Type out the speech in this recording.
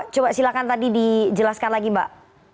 coba silakan tadi dijelaskan lagi mbak